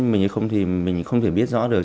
mình không thể biết rõ được